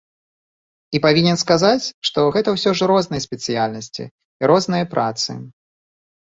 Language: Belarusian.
І павінен сказаць, што гэта ўсё ж розныя спецыяльнасці і розныя працы.